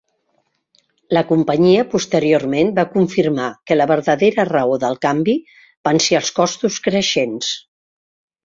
La companyia posteriorment va confirmar que la verdader raó del canvi van ser els costos creixents.